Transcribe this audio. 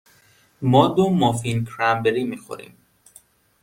ما دو مافین کرنبری می خوریم.